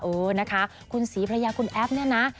เออนะคะคุณศรีภรรยาคุณแอฟเนี่ยนะ